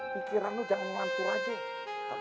pikiran lu jangan ngantuk aja